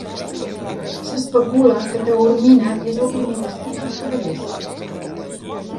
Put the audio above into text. S'especula que Taormina és el primer destí dels cavallers.